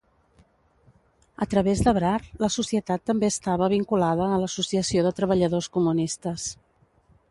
A través de Brar, la societat també estava vinculada a l'Associació de Treballadors Comunistes.